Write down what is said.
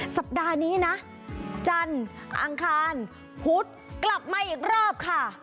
สัปดาห์นี้นะจันทร์อังคารพุธกลับมาอีกรอบค่ะ